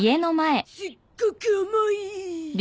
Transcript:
すっごく重い。